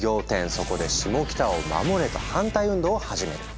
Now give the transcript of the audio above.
そこで「シモキタを守れ！」と反対運動を始める。